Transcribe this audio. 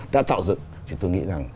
đã tạo dựng thì tôi nghĩ rằng